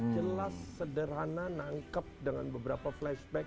jelas sederhana nangkep dengan beberapa flashback